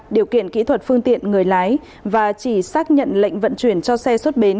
điều kiện kỹ thuật phương tiện người lái và chỉ xác nhận lệnh vận chuyển cho xe xuất bến